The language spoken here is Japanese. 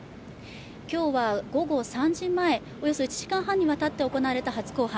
今日は午後３時前、およそ１時間半にわたって行われた初公判。